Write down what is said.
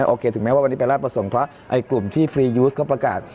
โอเคถึงแม้ว่าวันนี้ไปราชประสงค์เพราะไอ้กลุ่มที่ฟรียูสเขาประกาศ